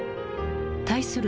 対する